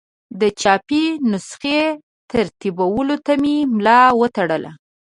د چاپي نسخې ترتیبولو ته یې ملا وتړله.